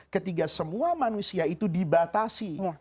ketika semua manusia itu dibatasi